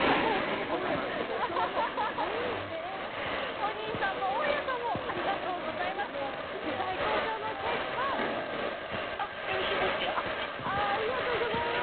お兄さんも大家さんもありがとうございます！